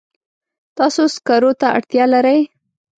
تاسو سکرو ته اړتیا لرئ.